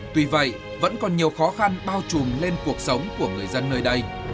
tuy vậy vẫn còn nhiều khó khăn bao trùm lên cuộc sống của người dân nơi đây